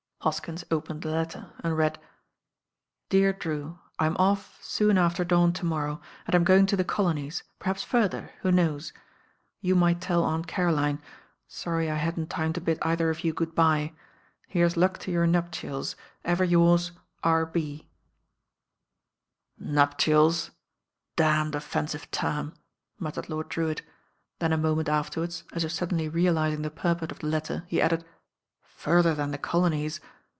Hoskins opened the letter and read: — "Dear Drew, "I'm off soon after dawn to morrow, and I'm going to the colonies, perhaps further, who knows? You might tell Aunt Caroline. Sorry I hadn't time to bid either of you good bye. ''Here's luck to your nuptials. "Ever yours, "R. B." THE MORNINO AFTER teg "Nuptial. I damned offensive tenn," muttered l ord Drewitt, then a moment afterwards, as if sud dcniy realising the purport of the letter he added. Further than the colonies.